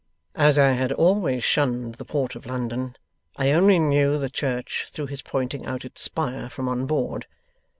'As I had always shunned the port of London, I only knew the church through his pointing out its spire from on board.